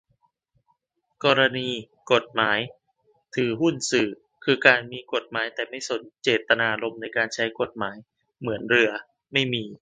กรณี กฎหมาย ถือหุ้นสื่อ คือการ มีกฎหมายแต่ไม่สนเจตนารมณ์ในการใช้กฎหมาย เหมือนเรือ ไม่มี